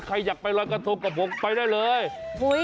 ใครอยากไปรอยกระทงกับผมไปได้เลย